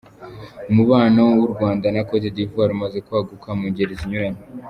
Umubano w’u Rwanda na Côte d’Ivoire umaze kwaguka mu ngeri zinyuranye.